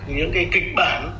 những kịch bản